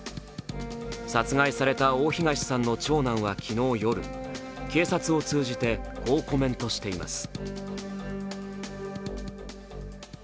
殺害された大東さんの長男は昨日夜、警察を通じて、こうコメントしています。